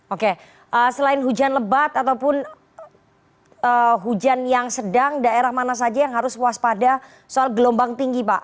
oke selain hujan lebat ataupun hujan yang sedang daerah mana saja yang harus waspada soal gelombang tinggi pak